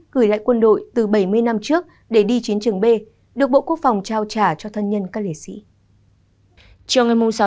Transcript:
gửi lại quân đội từ bảy mươi năm trước để đi chiến trường b được bộ quốc phòng trao trả cho thân nhân các liệt sĩ